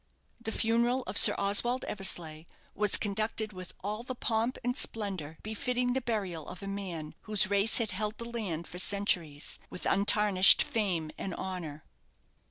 The funeral of Sir Oswald Eversleigh was conducted with all the pomp and splendour befitting the burial of a man whose race had held the land for centuries, with untarnished fame and honour.